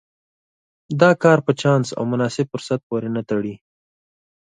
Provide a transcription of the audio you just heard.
دا کار په چانس او مناسب فرصت پورې نه تړي.